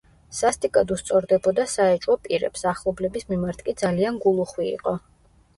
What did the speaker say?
სასტიკად უსწორდებოდა საეჭვო პირებს, ახლობლების მიმართ კი ძალიან გულუხვი იყო.